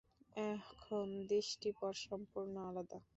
এখন দৃশ্যপট সম্পূর্ণ আলাদা।